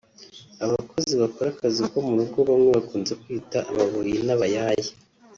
Abakozi bakora akazi ko mu rugo bamwe bakunze kwita ababoyi n’abayaya